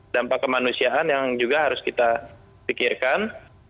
dampak kemanusiaan yang juga harus kita pikirkan